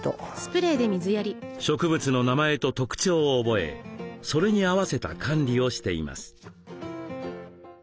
植物の名前と特徴を覚えそれに合わせた管理をしています。